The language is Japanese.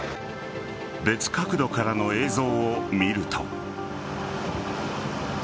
別角度からの映像を見ると。